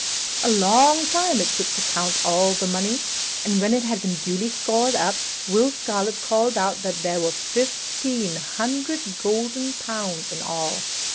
A long time it took to count all the money, and when it had been duly scored up, Will Scarlet called out that there were fifteen hundred golden pounds in all.